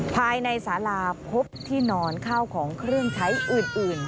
ภายในสาราพบที่นอนข้าวของเครื่องใช้อื่น